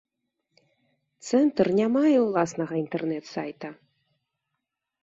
Цэнтр не мае ўласнага інтэрнэт-сайта.